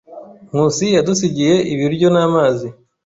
Nkusi yadusigiye ibiryo n'amazi.